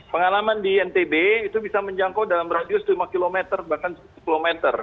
pengalaman di ntb itu bisa menjangkau dalam radius lima km bahkan sepuluh km